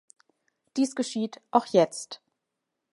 Dies geschieht auch jetzt.